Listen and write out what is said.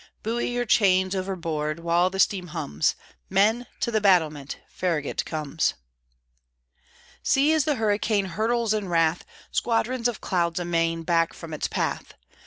Buoy your chains overboard, While the steam hums; Men! to the battlement, Farragut comes. See, as the hurricane Hurtles in wrath Squadrons of clouds amain Back from its path!